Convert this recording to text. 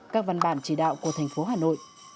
các văn bản chỉ đạo của thành phố hà nội